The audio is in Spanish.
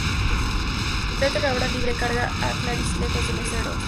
Lecter, ahora libre, carga a Clarice lejos de los cerdos.